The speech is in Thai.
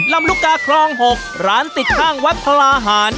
ลำลูกกาคลอง๖ร้านติดข้างวัดพลาหาร